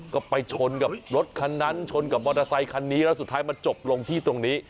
ก็ไปชนกับรถคันนั้นชนกับมอเตอร์ไซคันนี้แล้วสุดท้ายมันจบลงที่ตรงนี้